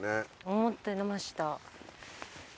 思ってました。